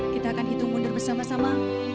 kita akan hitung mundur bersama sama